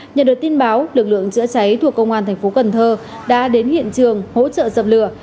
nhận được tin báo lực lượng chữa cháy thuộc công an thành phố cần thơ đã đến hiện trường hỗ trợ dập lửa